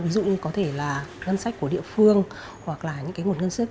ví dụ như có thể là ngân sách của địa phương hoặc là những cái nguồn ngân sách